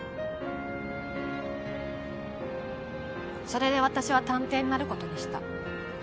それで私は探偵になることにした。